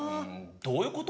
どういうこと？